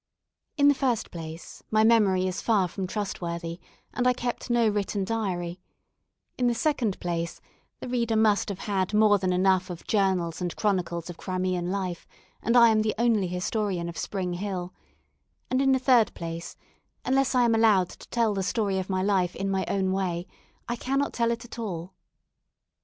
In the first place, my memory is far from trustworthy, and I kept no written diary; in the second place, the reader must have had more than enough of journals and chronicles of Crimean life, and I am only the historian of Spring Hill; and in the third place, unless I am allowed to tell the story of my life in my own way, I cannot tell it at all.